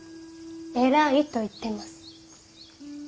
偉いと言ってます。